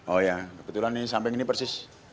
oh iya kebetulan nih samping ini persis